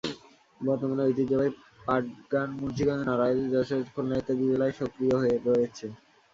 বর্তমানে ঐতিহ্যবাহী পটগান মুন্সিগঞ্জ, নড়াইল, যশোর, খুলনা ইত্যাদি জেলায় সক্রিয় রয়েছে।